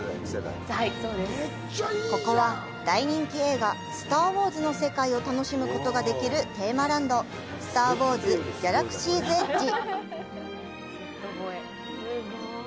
ここは、大人気映画「スター・ウォーズ」の世界を楽しむことができるテーマランド、「スター・ウォーズ：ギャラクシーズ・エッジ」。